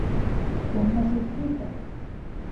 Quan va ser escrita?